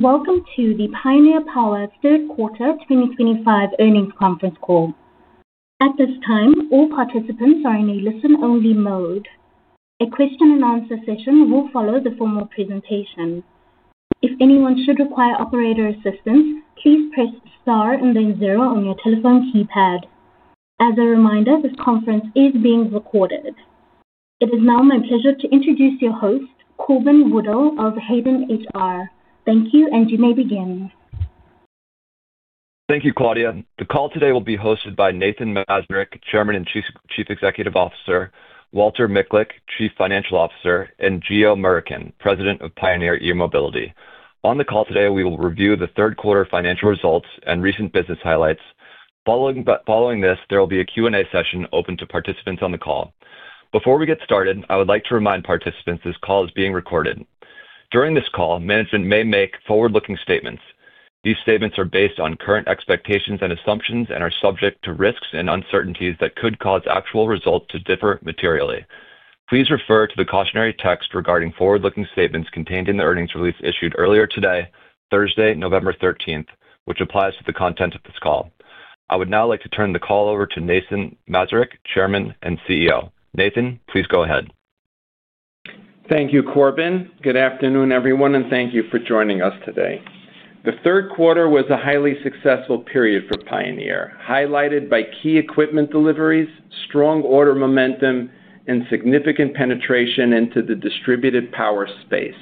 Welcome to the Pioneer Power SQ2025 earnings conference call. At this time, all participants are in a listen-only mode. A question-and-answer session will follow the formal presentation. If anyone should require operator assistance, please press star and then zero on your telephone keypad. As a reminder, this conference is being recorded. It is now my pleasure to introduce your host, Corbin Woodhull of Hayden IR. Thank you, you may begin. Thank you, Claudia. The call today will be hosted by Nathan Mazurek, Chairman and Chief Executive Officer, Walter Michalek, Chief Financial Officer, and Geo Murickan, President of Pioneer eMobility. On the call today, we will review the third-quarter financial results and recent business highlights. Following this, there will be a Q&A session open to participants on the call. Before we get started, I would like to remind participants this call is being recorded. During this call, management may make forward-looking statements. These statements are based on current expectations and assumptions and are subject to risks and uncertainties that could cause actual results to differ materially. Please refer to the cautionary text regarding forward-looking statements contained in the earnings release issued earlier today, Thursday, November 13th, which applies to the content of this call. I would now like to turn the call over to Nathan Mazurek, Chairman and CEO. Nathan, please go ahead. Thank you, Corbin. Good afternoon, everyone, and thank you for joining us today. The third quarter was a highly successful period for Pioneer, highlighted by key equipment deliveries, strong order momentum, and significant penetration into the distributed power space.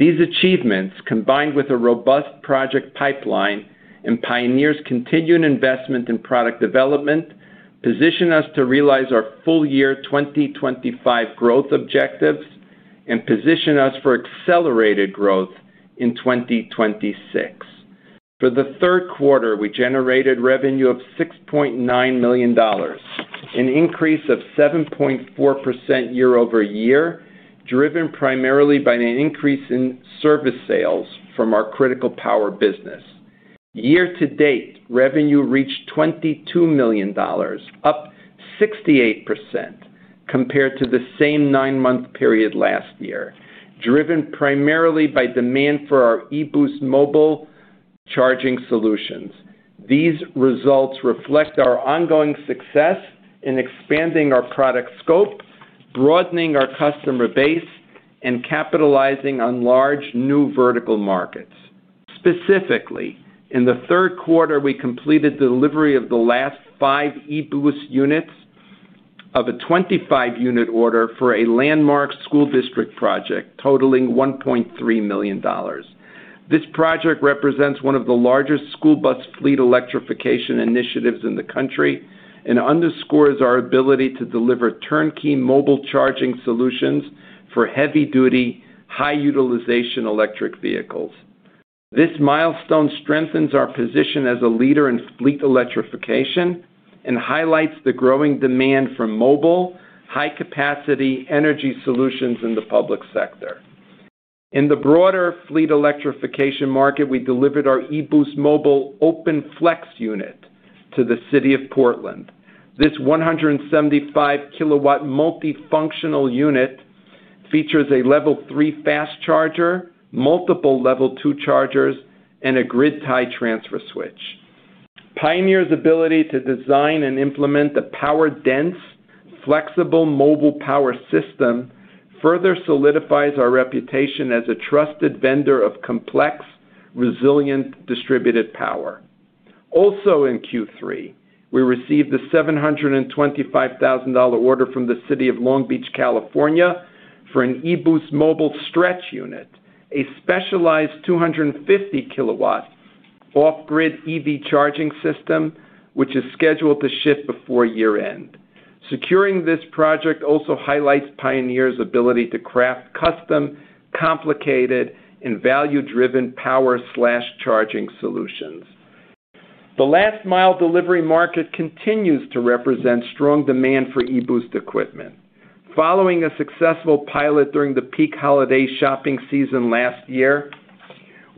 These achievements, combined with a robust project pipeline and Pioneer's continued investment in product development, position us to realize our full-year 2025 growth objectives and position us for accelerated growth in 2026. For the third quarter, we generated revenue of $6.9 million, an increase of 7.4% year-over-year, driven primarily by an increase in service sales from our critical power business. Year-to-date, revenue reached $22 million, up 68% compared to the same nine-month period last year, driven primarily by demand for our e-boost mobile charging solutions. These results reflect our ongoing success in expanding our product scope, broadening our customer base, and capitalizing on large new vertical markets. Specifically, in the third quarter, we completed the delivery of the last five e-boost units of a 25-unit order for a landmark school district project totaling $1.3 million. This project represents one of the largest school bus fleet electrification initiatives in the country and underscores our ability to deliver turnkey mobile charging solutions for heavy-duty, high-utilization electric vehicles. This milestone strengthens our position as a leader in fleet electrification and highlights the growing demand for mobile, high-capacity energy solutions in the public sector. In the broader fleet electrification market, we delivered our e-boost mobile open flex unit to the city of Portland. This 175-kW multifunctional unit features a level three fast charger, multiple level two chargers, and a grid tie transfer switch. Pioneer's ability to design and implement a power-dense, flexible mobile power system further solidifies our reputation as a trusted vendor of complex, resilient distributed power. Also, in Q3, we received the $725,000 order from the city of Long Beach, California, for an e-boost mobile stretch unit, a specialized 250-kW off-grid EV charging system, which is scheduled to ship before year-end. Securing this project also highlights Pioneer's ability to craft custom, complicated, and value-driven power/charging solutions. The last-mile delivery market continues to represent strong demand for e-boost equipment. Following a successful pilot during the peak holiday shopping season last year,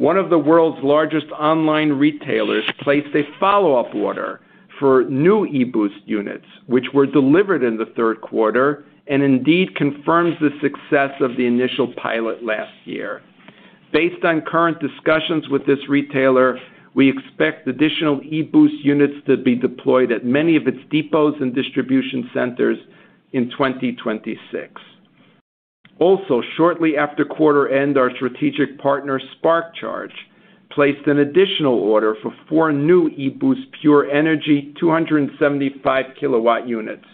one of the world's largest online retailers placed a follow-up order for new e-boost units, which were delivered in the third quarter and indeed confirms the success of the initial pilot last year. Based on current discussions with this retailer, we expect additional e-boost units to be deployed at many of its depots and distribution centers in 2026. Also, shortly after quarter-end, our strategic partner SparkCharge placed an additional order for four new e-Boost pure energy 275-kW units,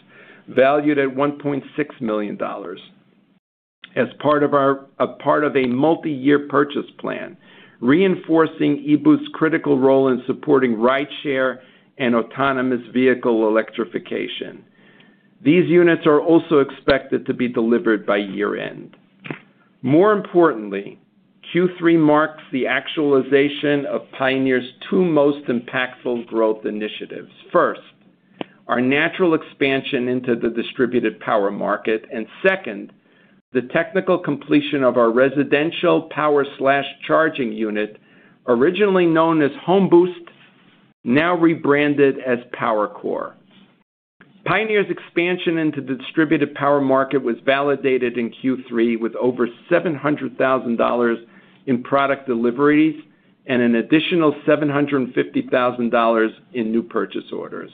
valued at $1.6 million, as part of a multi-year purchase plan, reinforcing e-Boost's critical role in supporting rideshare and autonomous vehicle electrification. These units are also expected to be delivered by year-end. More importantly, Q3 marks the actualization of Pioneer's two most impactful growth initiatives. First, our natural expansion into the distributed power market, and second, the technical completion of our residential power/charging unit, originally known as HOMe-Boost, now rebranded as PowerCore. Pioneer's expansion into the distributed power market was validated in Q3 with over $700,000 in product deliveries and an additional $750,000 in new purchase orders.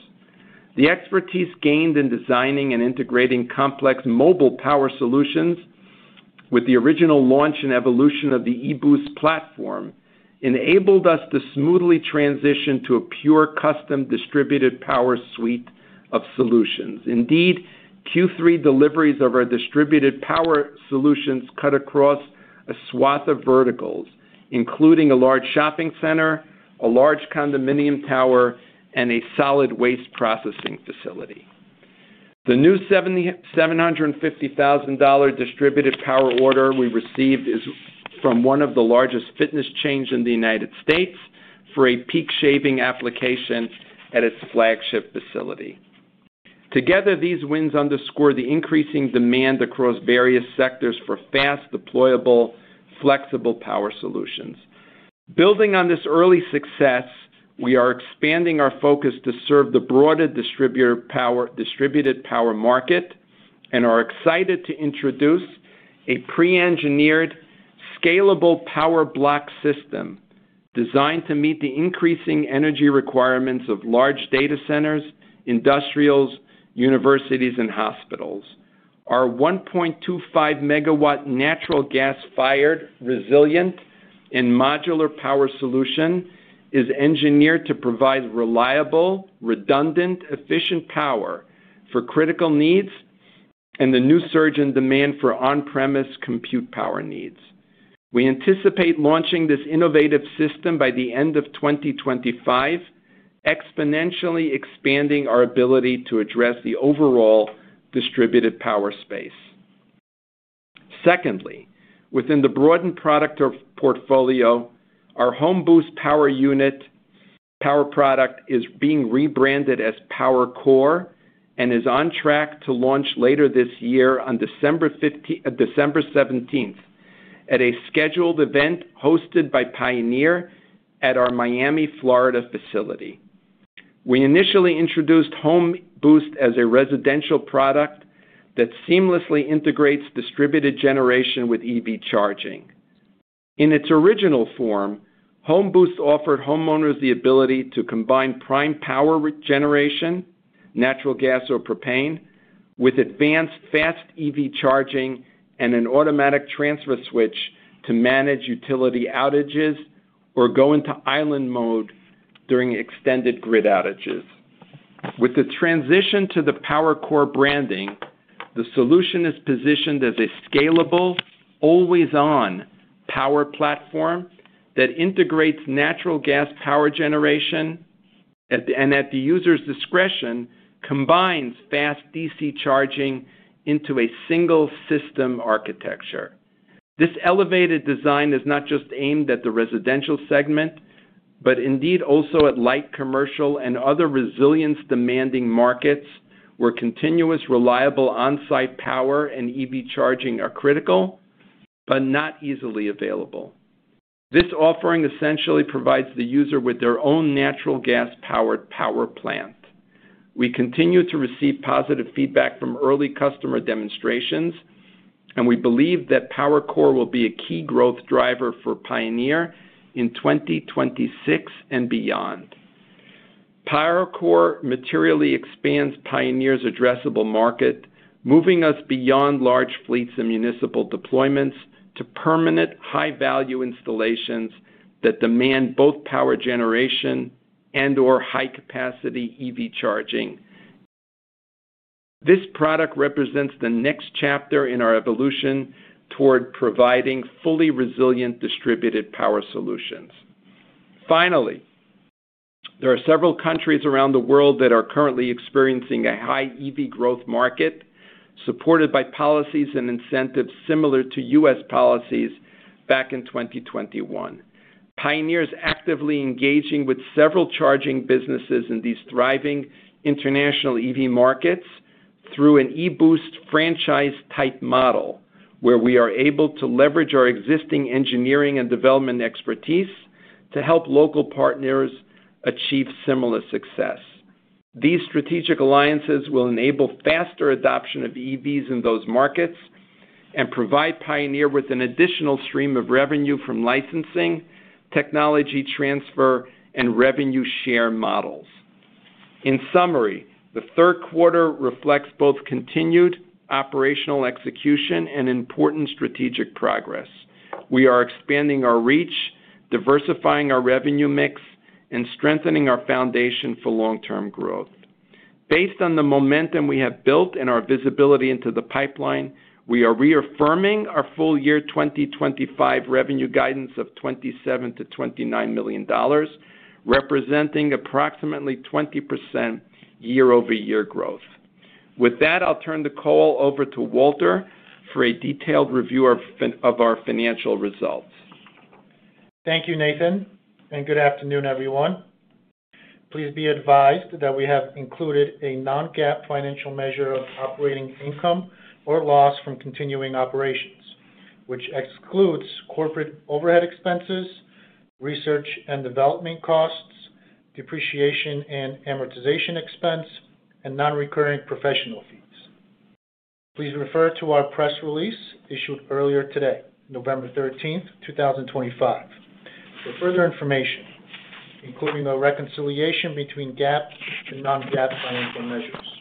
The expertise gained in designing and integrating complex mobile power solutions, with the original launch and evolution of the e-boost platform, enabled us to smoothly transition to a pure custom distributed power suite of solutions. Indeed, Q3 deliveries of our distributed power solutions cut across a swath of verticals, including a large shopping center, a large condominium tower, and a solid waste processing facility. The new $750,000 distributed power order we received is from one of the largest fitness chains in the United States for a peak shaving application at its flagship facility. Together, these wins underscore the increasing demand across various sectors for fast, deployable, flexible power solutions. Building on this early success, we are expanding our focus to serve the broader distributed power market and are excited to introduce a pre-engineered, scalable power block system designed to meet the increasing energy requirements of large data centers, industrials, universities, and hospitals. Our 1.25 MW natural gas-fired, resilient, and modular power solution is engineered to provide reliable, redundant, efficient power for critical needs and the new surge in demand for on-premise compute power needs. We anticipate launching this innovative system by the end of 2025, exponentially expanding our ability to address the overall distributed power space. Secondly, within the broadened product portfolio, our HOMe-Boost power unit power product is being rebranded as PowerCore and is on track to launch later this year on December 17th at a scheduled event hosted by Pioneer at our Miami, Florida facility. We initially introduced HOMe-Boost as a residential product that seamlessly integrates distributed generation with EV charging. In its original form, HOMe-Boost offered homeowners the ability to combine prime power generation, natural gas or propane, with advanced fast EV charging and an automatic transfer switch to manage utility outages or go into island mode during extended grid outages. With the transition to the PowerCore branding, the solution is positioned as a scalable, always-on power platform that integrates natural gas power generation and, at the user's discretion, combines fast DC charging into a single system architecture. This elevated design is not just aimed at the residential segment, but indeed also at light commercial and other resilience-demanding markets where continuous, reliable on-site power and EV charging are critical but not easily available. This offering essentially provides the user with their own natural gas-powered power plant. We continue to receive positive feedback from early customer demonstrations, and we believe that PowerCore will be a key growth driver for Pioneer in 2026 and beyond. PowerCore materially expands Pioneer's addressable market, moving us beyond large fleets and municipal deployments to permanent, high-value installations that demand both power generation and/or high-capacity EV charging. This product represents the next chapter in our evolution toward providing fully resilient distributed power solutions. Finally, there are several countries around the world that are currently experiencing a high EV growth market supported by policies and incentives similar to U.S. policies back in 2021. Pioneer is actively engaging with several charging businesses in these thriving international EV markets through an e-boost franchise-type model, where we are able to leverage our existing engineering and development expertise to help local partners achieve similar success. These strategic alliances will enable faster adoption of EVs in those markets and provide Pioneer with an additional stream of revenue from licensing, technology transfer, and revenue share models. In summary, the third quarter reflects both continued operational execution and important strategic progress. We are expanding our reach, diversifying our revenue mix, and strengthening our foundation for long-term growth. Based on the momentum we have built and our visibility into the pipeline, we are reaffirming our full-year 2025 revenue guidance of $27-$29 million, representing approximately 20% year-over-year growth. With that, I'll turn the call over to Walter for a detailed review of our financial results. Thank you, Nathan, and good afternoon, everyone. Please be advised that we have included a non-GAAP financial measure of operating income or loss from continuing operations, which excludes corporate overhead expenses, research and development costs, depreciation and amortization expense, and non-recurring professional fees. Please refer to our press release issued earlier today, November 13th, 2025, for further information, including a reconciliation between GAAP and non-GAAP financial measures.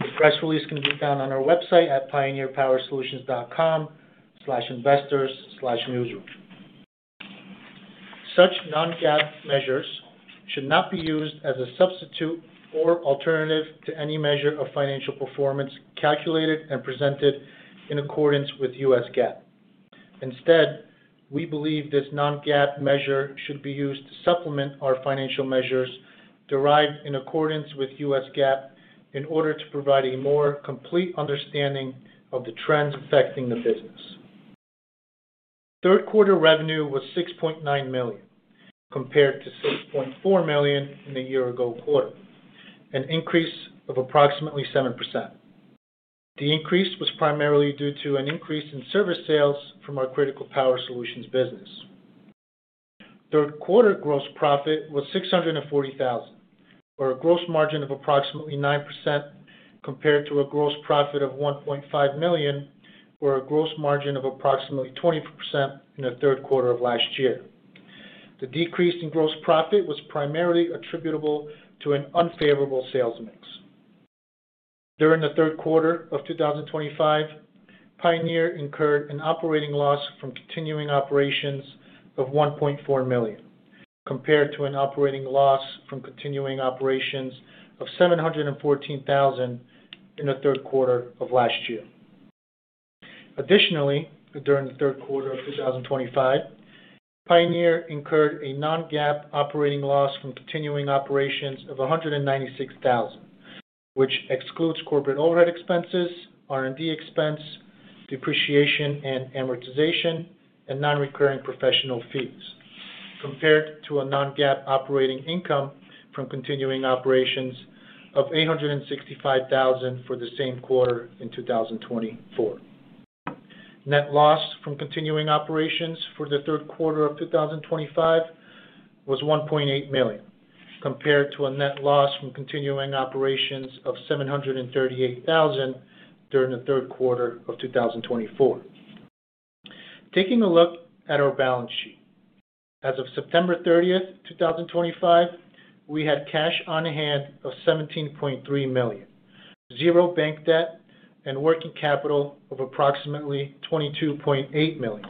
The press release can be found on our website at pioneerpowersolutions.com/investors/newsroom. Such non-GAAP measures should not be used as a substitute or alternative to any measure of financial performance calculated and presented in accordance with U.S. GAAP. Instead, we believe this non-GAAP measure should be used to supplement our financial measures derived in accordance with U.S. GAAP in order to provide a more complete understanding of the trends affecting the business. Third-quarter revenue was $6.9 million compared to $6.4 million in the year-ago quarter, an increase of approximately 7%. The increase was primarily due to an increase in service sales from our critical power solutions business. Third-quarter gross profit was $640,000, or a gross margin of approximately 9%, compared to a gross profit of $1.5 million, or a gross margin of approximately 20% in the third quarter of last year. The decrease in gross profit was primarily attributable to an unfavorable sales mix. During the third quarter of 2025, Pioneer incurred an operating loss from continuing operations of $1.4 million, compared to an operating loss from continuing operations of $714,000 in the third quarter of last year. Additionally, during the third quarter of 2025, Pioneer incurred a non-GAAP operating loss from continuing operations of $196,000, which excludes corporate overhead expenses, R&D expense, depreciation and amortization, and non-recurring professional fees, compared to a non-GAAP operating income from continuing operations of $865,000 for the same quarter in 2024. Net loss from continuing operations for the third quarter of 2025 was $1.8 million, compared to a net loss from continuing operations of $738,000 during the third quarter of 2024. Taking a look at our balance sheet, as of September 30th, 2025, we had cash on hand of $17.3 million, zero bank debt, and working capital of approximately $22.8 million,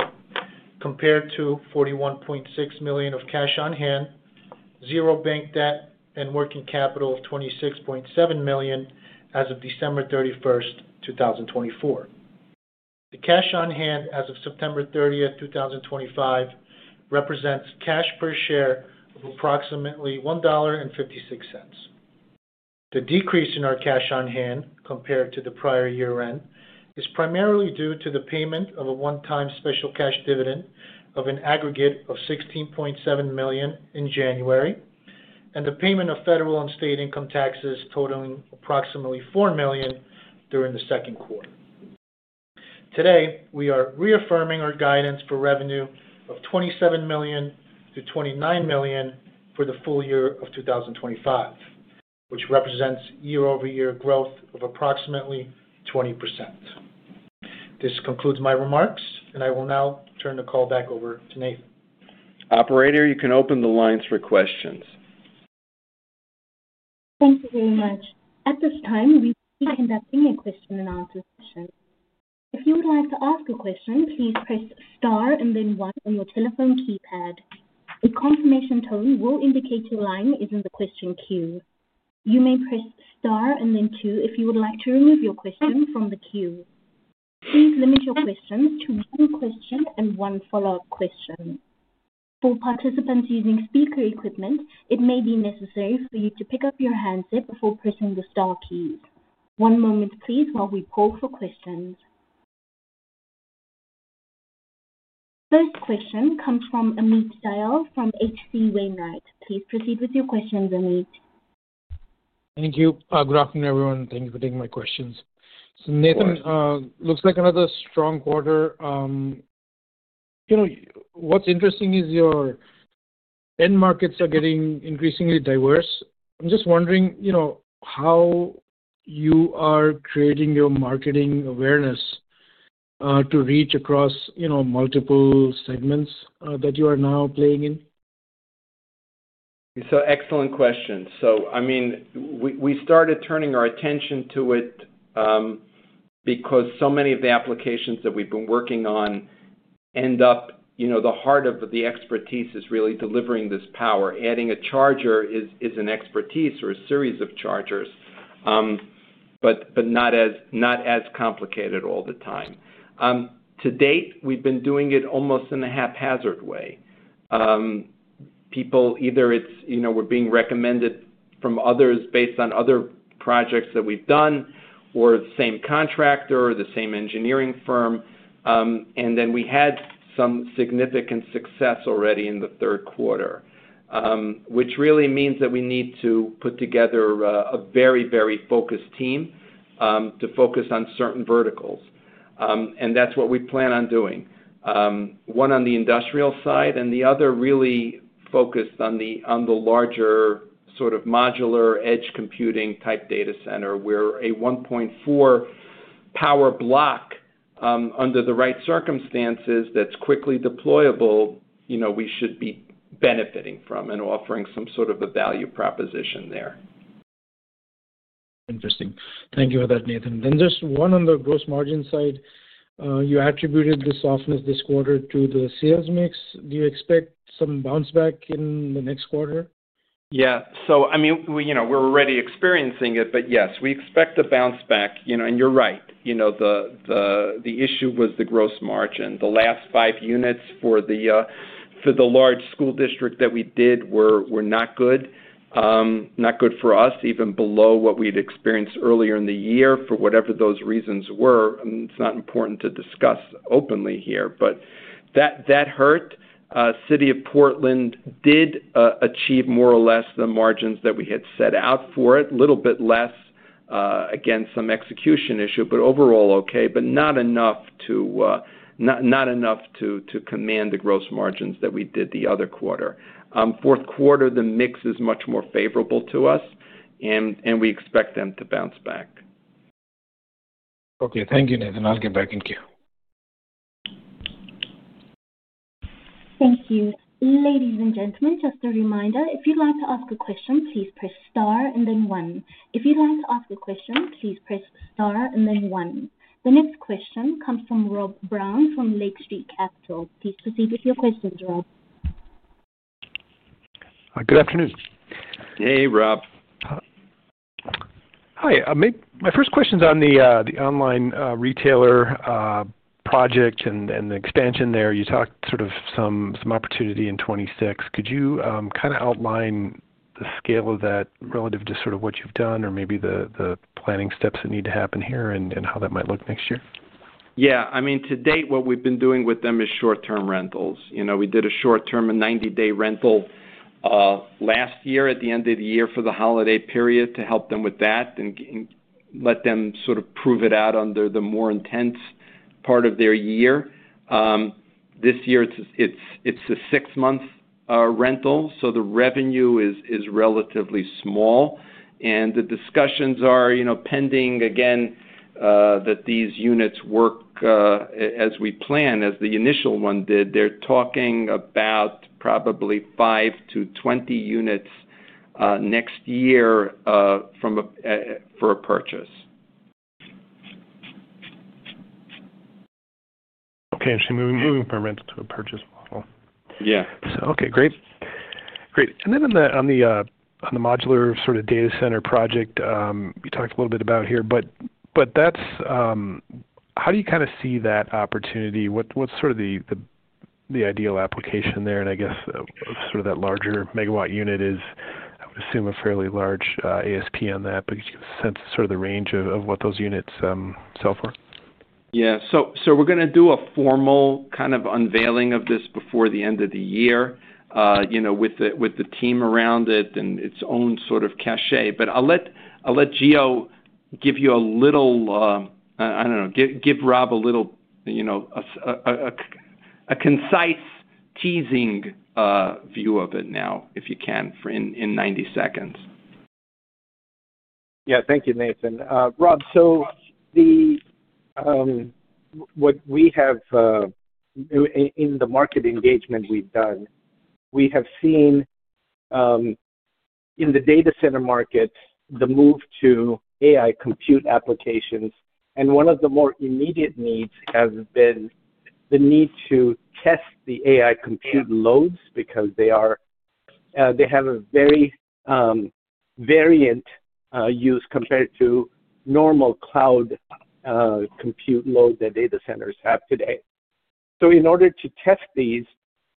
compared to $41.6 million of cash on hand, zero bank debt, and working capital of $26.7 million as of December 31st, 2024. The cash on hand as of September 30, 2025, represents cash per share of approximately $1.56. The decrease in our cash on hand compared to the prior year-end is primarily due to the payment of a one-time special cash dividend of an aggregate of $16.7 million in January and the payment of federal and state income taxes totaling approximately $4 million during the second quarter. Today, we are reaffirming our guidance for revenue of $27 million-$29 million for the full year of 2025, which represents year-over-year growth of approximately 20%. This concludes my remarks, and I will now turn the call back over to Nathan. Operator, you can open the lines for questions. Thank you very much. At this time, we will be conducting a question-and-answer session. If you would like to ask a question, please press star and then 1 on your telephone keypad. A confirmation tone will indicate your line is in the question queue. You may press star and then 2 if you would like to remove your question from the queue. Please limit your questions to one question and one follow-up question. For participants using speaker equipment, it may be necessary for you to pick up your handset before pressing the Star keys. One moment, please, while we poll for questions. First question comes from Amit Dayal from H.C. Wainwright. Please proceed with your questions, Amit. Thank you. Good afternoon, everyone. Thank you for taking my questions. Nathan, looks like another strong quarter. What's interesting is your end markets are getting increasingly diverse. I'm just wondering how you are creating your marketing awareness to reach across multiple segments that you are now playing in. Excellent questions. I mean, we started turning our attention to it because so many of the applications that we've been working on end up, the heart of the expertise is really delivering this power. Adding a charger is an expertise or a series of chargers, but not as complicated all the time. To date, we've been doing it almost in a haphazard way. People, either we're being recommended from others based on other projects that we've done or the same contractor or the same engineering firm. We had some significant success already in the third quarter, which really means that we need to put together a very, very focused team to focus on certain verticals. That's what we plan on doing. One on the industrial side and the other really focused on the larger sort of modular edge computing-type data center, where a 1.4 power block under the right circumstances that's quickly deployable, we should be benefiting from and offering some sort of a value proposition there. Interesting. Thank you for that, Nathan. Then just one on the gross margin side. You attributed the softness this quarter to the sales mix. Do you expect some bounce back in the next quarter? Yeah. I mean, we're already experiencing it, but yes, we expect a bounce back. You're right. The issue was the gross margin. The last five units for the large school district that we did were not good, not good for us, even below what we'd experienced earlier in the year for whatever those reasons were. It's not important to discuss openly here, but that hurt. City of Portland did achieve more or less the margins that we had set out for it, a little bit less, again, some execution issue, but overall okay, but not enough to command the gross margins that we did the other quarter. Fourth quarter, the mix is much more favorable to us, and we expect them to bounce back. Okay. Thank you, Nathan. I'll get back to you. Thank you. Ladies and gentlemen, just a reminder, if you'd like to ask a question, please press star and then 1. The next question comes from Rob Brown from Lake Street Capital. Please proceed with your questions, Rob. Good afternoon. Hey, Rob. Hi. My first question's on the online retailer project and the expansion there. You talked sort of some opportunity in 2026. Could you kind of outline the scale of that relative to sort of what you've done or maybe the planning steps that need to happen here and how that might look next year? Yeah. I mean, to date, what we've been doing with them is short-term rentals. We did a short-term 90-day rental last year at the end of the year for the holiday period to help them with that and let them sort of prove it out under the more intense part of their year. This year, it's a six-month rental, so the revenue is relatively small. The discussions are pending, again, that these units work as we plan, as the initial one did. They're talking about probably 5-20 units next year for a purchase. Okay. So moving from rental to a purchase model. Yeah. Okay. Great. Great. On the modular sort of data center project, you talked a little bit about it here, but how do you kind of see that opportunity? What is sort of the ideal application there? I guess that larger megawatt unit is, I would assume, a fairly large ASP on that. Can you give a sense of the range of what those units sell for? Yeah. We are going to do a formal kind of unveiling of this before the end of the year with the team around it and its own sort of cachet. I will let Geo give you a little—I do not know—give Rob a little concise teasing view of it now, if you can, in 90 seconds. Yeah. Thank you, Nathan. Rob, so what we have in the market engagement we've done, we have seen in the data center market the move to AI compute applications. One of the more immediate needs has been the need to test the AI compute loads because they have a very variant use compared to normal cloud compute load that data centers have today. In order to test these,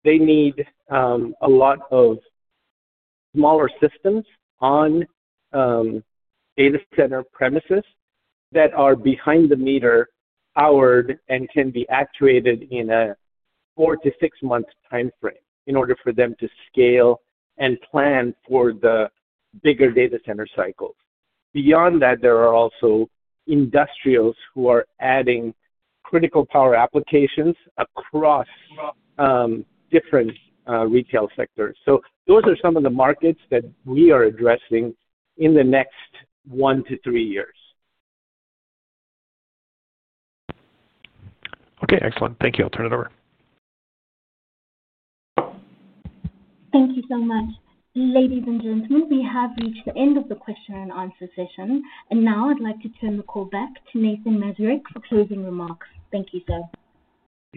they need a lot of smaller systems on data center premises that are behind the meter, powered, and can be actuated in a four- to six-month timeframe in order for them to scale and plan for the bigger data center cycles. Beyond that, there are also industrials who are adding critical power applications across different retail sectors. Those are some of the markets that we are addressing in the next one to three years. Okay. Excellent. Thank you. I'll turn it over. Thank you so much. Ladies and gentlemen, we have reached the end of the question-and-answer session. Now I'd like to turn the call back to Nathan Mazurek for closing remarks. Thank you, sir.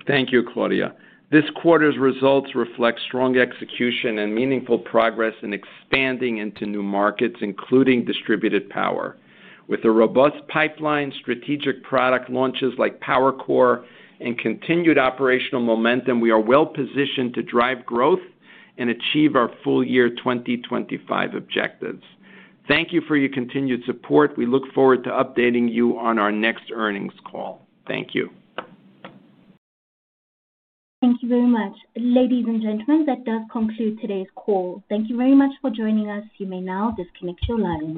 Thank you, Claudia. This quarter's results reflect strong execution and meaningful progress in expanding into new markets, including distributed power. With a robust pipeline, strategic product launches like PowerCore, and continued operational momentum, we are well-positioned to drive growth and achieve our full-year 2025 objectives. Thank you for your continued support. We look forward to updating you on our next earnings call. Thank you. Thank you very much. Ladies and gentlemen, that does conclude today's call. Thank you very much for joining us. You may now disconnect your line.